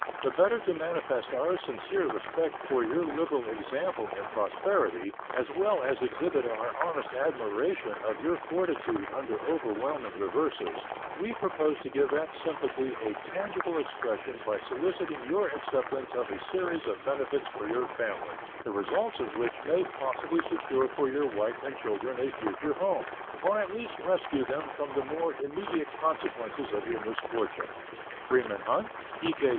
The better to manifest our sincere respect for your liberal example in prosperity, as well as exhibit our honest admiration of your fortitude under overwhelming reverses, we propose to give that sympathy a tangible expression by soliciting your acceptance of a series of benefits for your family, the result of which may possibly secure for your wife and children a future home, or at least rescue them from the more immediate consequences of your misfortune. Freeman Hunt, E. K.